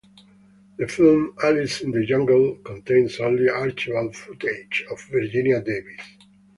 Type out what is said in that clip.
The film "Alice in the Jungle" contains only archival footage of Virginia Davis.